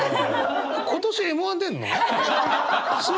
今年Ｍ−１出んの？